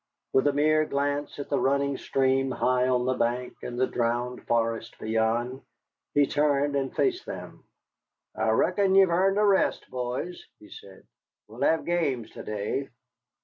With a mere glance at the running stream high on the bank and the drowned forest beyond, he turned and faced them. "I reckon you've earned a rest, boys," he said. "We'll have games to day."